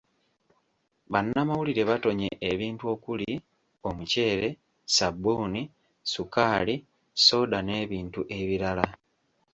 Bannamawulire batonye ebintu okuli; Omuceere, Ssabbuuni, ssukaali, ssooda n'ebintu ebirala.